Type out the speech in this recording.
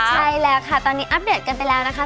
ใช่แล้วค่ะตอนนี้อัปเดตกันไปแล้วนะคะ